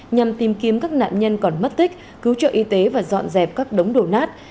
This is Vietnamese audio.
nhằm tìm kiếm các nạn nhân còn mất tích cứu trợ y tế và dọn dẹp các đống đổ nát